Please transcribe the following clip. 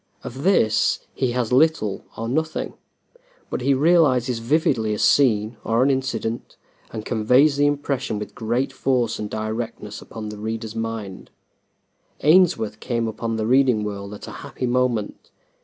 Of this he has little or nothing, but he realizes vividly a scene or an incident, and conveys the impression with great force and directness to the reader's mind. Ainsworth came upon the reading world at a happy moment.